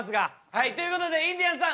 はいということでインディアンスさん